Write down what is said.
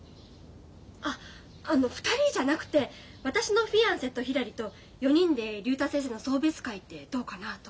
ああの２人じゃなくて私のフィアンセとひらりと４人で竜太先生の送別会ってどうかなあと思って。